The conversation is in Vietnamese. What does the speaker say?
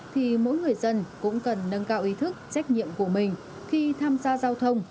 thì mỗi người dân cũng cần nâng cao ý thức trách nhiệm của mình khi tham gia giao thông